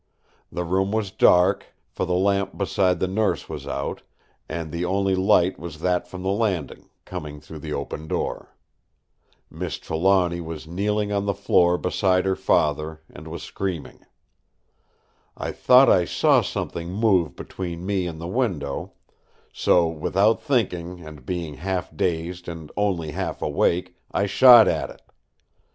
The room was dark, for the lamp beside the Nurse was out, and the only light was that from the landing, coming through the open door. Miss Trelawny was kneeling on the floor beside her father, and was screaming. I thought I saw something move between me and the window; so, without thinking, and being half dazed and only half awake, I shot at it.